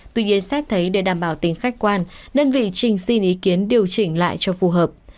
tuy nhiên xét thấy để đảm bảo tính khách quan đơn vị trình xin ý kiến điều chỉnh lại cho phù hợp